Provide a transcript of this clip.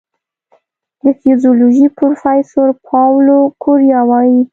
د فزیولوژي پروفېسور پاولو کوریا وايي